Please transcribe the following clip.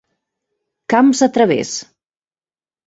Camps a través.